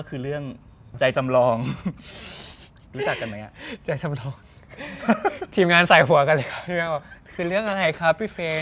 คือเรื่องอะไรครับพี่เฟย์